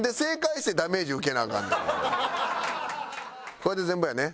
これで全部やね？